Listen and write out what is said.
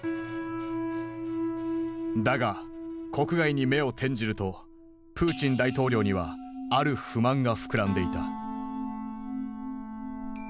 だが国外に目を転じるとプーチン大統領にはある不満が膨らんでいた。